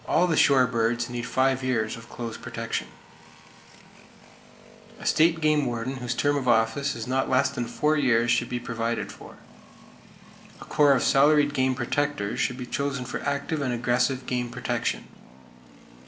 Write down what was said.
All the shore birds need five years of close protection. A State Game Warden whose term of office is not less than four years should be provided for. A corps of salaried game protectors should be chosen for active and aggressive game protection.